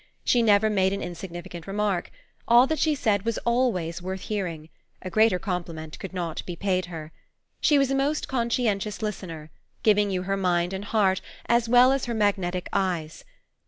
She never made an insignificant remark. All that she said was always worth hearing; a greater compliment could not be paid her. She was a most conscientious listener, giving you her mind and heart, as well as her magnetic eyes.